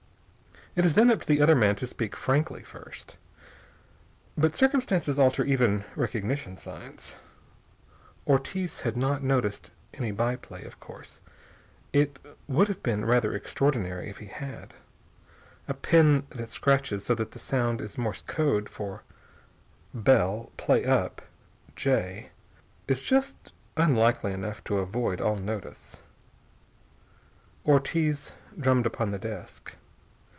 It is then up to the other man to speak frankly, first. But circumstances alter even recognition signs. Ortiz had not noticed any by play, of course. It would have been rather extraordinary if he had. A pen that scratches so that the sound is Morse code for "Bell, play up. J." is just unlikely enough to avoid all notice. Ortiz drummed upon the desk.